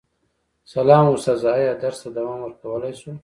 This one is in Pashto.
سلام استاده ایا درس ته دوام ورکولی شو